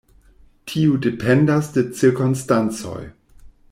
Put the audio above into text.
Tio dependas de cirkonstancoj.